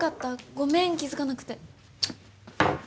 ごめん、気付かなくて。